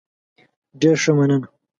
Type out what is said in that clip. ډیر ښه، مننه.